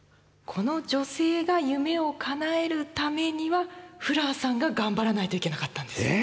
この女性が夢をかなえるためにはフラーさんが頑張らないといけなかったんです。